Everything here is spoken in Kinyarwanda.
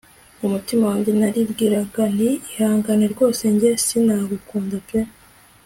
kumutima wanjye naribwiraga nti ihangane rwose njye sinagukunda pe